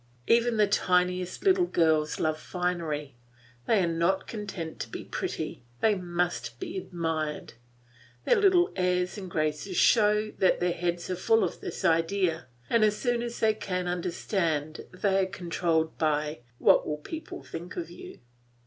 Even the tiniest little girls love finery; they are not content to be pretty, they must be admired; their little airs and graces show that their heads are full of this idea, and as soon as they can understand they are controlled by "What will people think of you?"